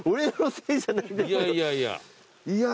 いやいやいや。